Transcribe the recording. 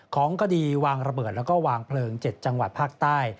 ของคดีวางระเบิดแล้วก็วางเพลิง๗จังหวัดภาคใต้